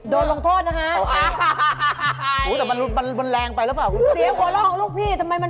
โดนลงโทษนะฮะ